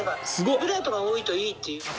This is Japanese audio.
ビブラートが多いといいって。